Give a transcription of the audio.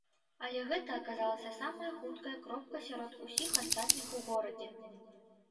Але гэта аказалася самая хуткая кропка сярод усіх астатніх у горадзе.